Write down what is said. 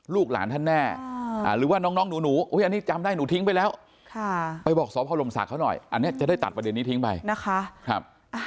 ลูกหลานท่านแน่หรือว่าน้องหนูอันนี้จำได้หนูทิ้งไปแล้วไปบอกสพลมศักดิ์เขาหน่อยอันนี้จะได้ตัดประเด็นนี้ทิ้งไปนะคะ